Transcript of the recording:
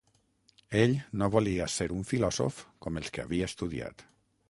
Ell no volia ser un filòsof com els que havia estudiat.